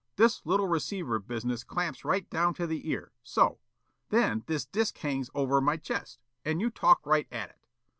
This little receiver business clamps right down to the ear, so. Then this disc hangs over my chest and you talk right at it.